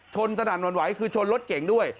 สนั่นหวั่นไหวคือชนรถเก่งด้วย